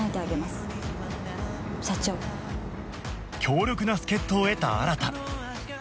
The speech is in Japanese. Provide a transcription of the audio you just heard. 強力な助っ人を得た新